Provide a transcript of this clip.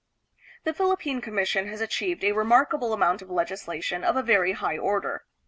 The Philippine Commission has achieved a remarkable amount of legislation of a very high order.